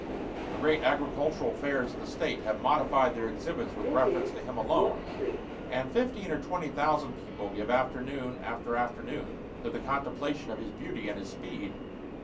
The great agricultural fairs of the State have modified their exhibits with reference to him alone, and fifteen or twenty thousand people give afternoon after afternoon to the contemplation of his beauty and his speed.